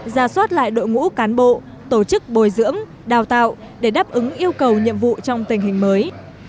ra soát lại đội ngũ cán bộ tổ chức bồi dưỡng đào tạo để đáp ứng yêu cầu nhiệm vụ trong tình hình mới